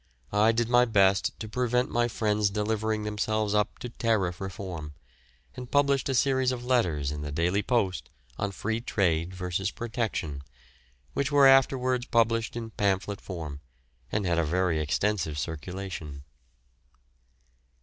I did my best to prevent my friends delivering themselves up to Tariff Reform, and published a series of letters in the Daily Post on Free Trade v. Protection, which were afterwards published in pamphlet form, and had a very extensive circulation.